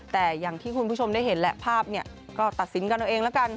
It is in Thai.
แต่อย่างที่คุณผู้ชมได้เห็นแหละภาพเนี่ยก็ตัดสินกันเอาเองแล้วกัน